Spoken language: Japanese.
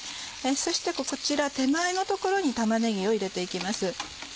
そしてこちら手前の所に玉ねぎを入れて行きます。